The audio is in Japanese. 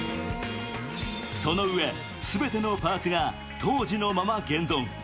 そのうえ、すべてのパーツが当時のまま現存。